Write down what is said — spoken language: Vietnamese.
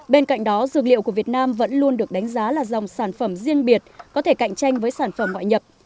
bên cạnh đó dược liệu của việt nam vẫn luôn được đánh giá là dòng sản phẩm riêng biệt có thể cạnh tranh với sản phẩm ngoại nhập